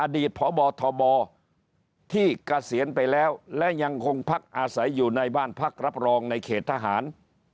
อดีตพบทบที่เกษียณไปแล้วและยังคงพักอาศัยอยู่ในบ้านพักรับรองในเขตทหาร